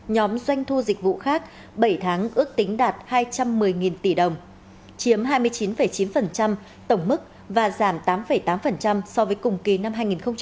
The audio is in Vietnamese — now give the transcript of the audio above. nhóm doanh thu dịch vụ khác bảy tháng ước tính đạt hai trăm một mươi tỷ đồng chiếm hai mươi chín chín tổng mức và giảm tám tám so với cùng kỳ năm hai nghìn một mươi chín